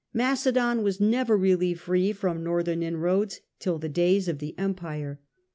Macedon was never really free from northern inroads till the days of the empire.